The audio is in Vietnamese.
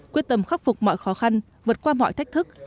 quyết tâm khắc phục mọi khó khăn vượt qua mọi thách thức